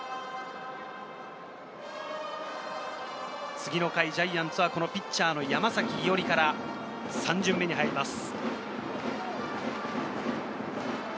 次の回、ジャイアンツはこのピッチャーの山崎伊織から３巡目に入ります。